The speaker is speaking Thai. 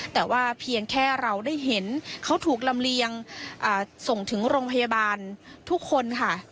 แต่ว่าเพียงแค่เราได้เห็นเขาถูกลำเลียงส่งถึงโรงพยาบาลทุกคนค่ะ